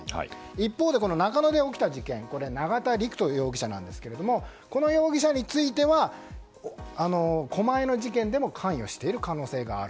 一方、中野で起きた事件永田陸人容疑者なんですがこの容疑者については狛江の事件でも関与している可能性がある。